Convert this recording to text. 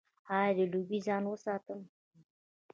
ایا له لوګي ځان وساتم؟